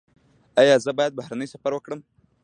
ایا زه باید بهرنی سفر وکړم؟